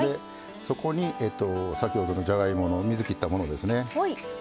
そこに、先ほどの、じゃがいもの水を切ったものですね。